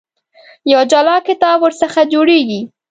یو جلا کتاب ورڅخه جوړېږي.